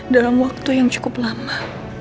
dalam waktu yang cukup lama